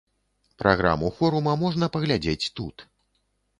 Праграму форума можна паглядзець тут.